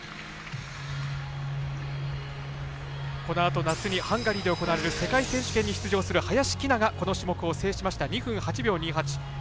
このあと夏にハンガリーで行われる世界選手権に出場する林希菜が、この種目を制しました。